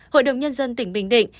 hội đồng nhân dân tỉnh bình định